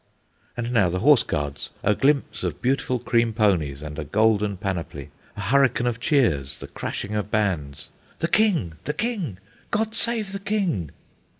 And now the Horse Guards, a glimpse of beautiful cream ponies, and a golden panoply, a hurricane of cheers, the crashing of bands—"The King! the King! God save the King!"